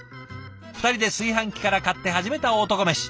２人で炊飯器から買って始めた男メシ。